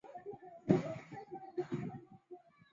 毕业于辅仁大学历史系。